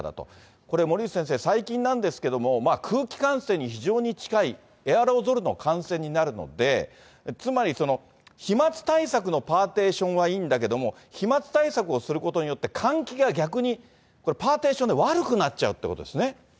これ、森内先生、最近なんですけれども、空気感染に非常に近い、エアロゾルの感染になるので、つまり、飛まつ対策のパーテーションはいいんだけども、飛まつ対策をすることによって、換気が逆にパーテーションで悪くなっちゃうということですね。